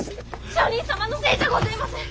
上人様のせいじゃごぜえません！